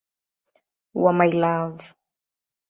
wa "My Love".